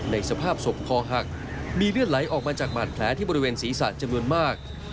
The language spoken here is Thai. สภาพศพคอหักมีเลือดไหลออกมาจากบาดแผลที่บริเวณศีรษะจำนวนมาก